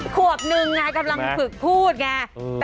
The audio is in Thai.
ควบหนึ่งแน่กำลังฝึกพูดไง